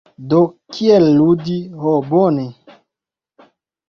Do. "Kiel ludi". Ho bone.